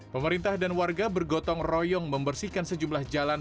pemerintah dan warga bergotong royong membersihkan sejumlah jalan